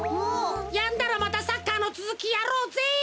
やんだらまたサッカーのつづきやろうぜ。